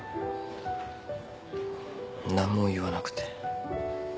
何も言わなくて。